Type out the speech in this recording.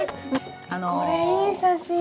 これいい写真。